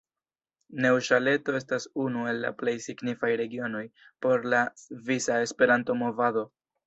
Neŭŝatelo estas unu el la plej signifaj regionoj por la svisa Esperanto-movado.